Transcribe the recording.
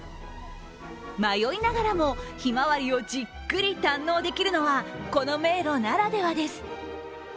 迷いながらもひまわりをじっくり堪能できるのはこの迷路ならではです。